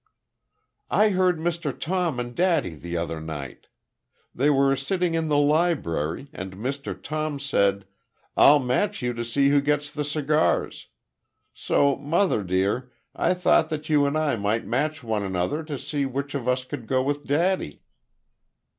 "I heard Mr. Tom and daddy the other night. They were sitting in the library, and Mr. Tom said, 'I'll match you to see who gets the cigars.' So, mother dear, I thought that you and I might match one another to see which of us could go with daddy."